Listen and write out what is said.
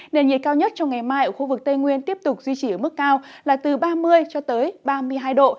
nền nhiệt cao nhất trong ngày mai ở khu vực tây nguyên tiếp tục duy trì ở mức cao là từ ba mươi cho tới ba mươi hai độ